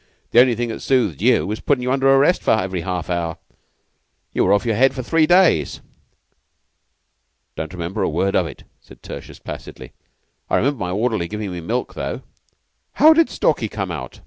The only thing that soothed you was putting you under arrest every half hour. You were off your head for three days." "Don't remember a word of it," said Tertius, placidly. "I remember my orderly giving me milk, though." "How did Stalky come out?"